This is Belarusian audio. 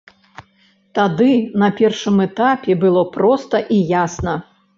Тады, на першым этапе, было проста і ясна.